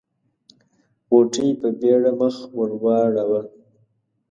غوټۍ په بيړه مخ ور واړاوه.